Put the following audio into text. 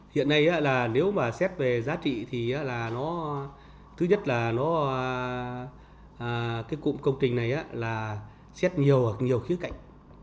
hiện nay nếu mà xét về giá trị thì thứ nhất là cụm công trình này xét nhiều ở nhiều khía cạnh